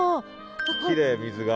きれい水が。